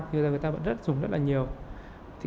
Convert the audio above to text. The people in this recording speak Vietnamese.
thì người ta vẫn dùng rất là nhiều